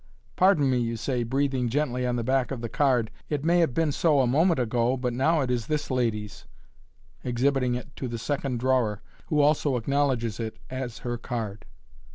" Pardon me," you say, breathing gently on the back of the card, " it may have been so a moment ago, but now it is this lady's," exhibiting it to the second drawer, who also acknowledges it as her card.